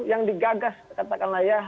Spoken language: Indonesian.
yang digagas katakanlah ya